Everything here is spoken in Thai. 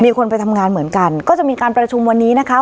คนไปทำงานเหมือนกันก็จะมีการประชุมวันนี้นะคะ